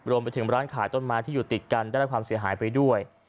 รวมไปถึงร้านขายต้นไม้ที่อยู่ติดกันได้รับความเสียหายไปด้วย